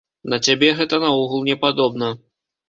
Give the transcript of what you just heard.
На цябе гэта наогул не падобна.